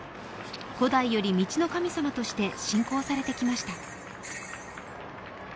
古代より道の神様として信仰されてきました。